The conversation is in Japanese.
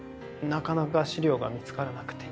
なかなか資料が見つからなくて。